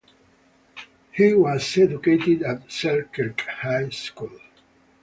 He was educated at Selkirk High School.